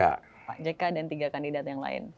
pak jk dan tiga kandidat yang lain